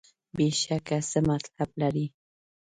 بېشکه څه مطلب لري.